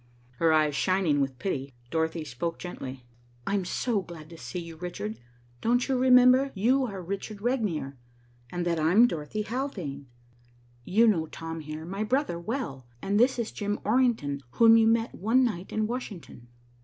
Her eyes shining with pity, Dorothy spoke gently. "I'm so glad to see you, Richard. Don't you remember you are Richard Regnier, and that I am Dorothy Haldane? You know Tom, here, my brother, well, and this is Jim Orrington whom you met one night in Washington."